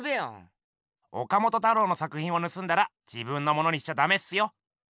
岡本太郎の作品をぬすんだら自分のものにしちゃダメっすよ。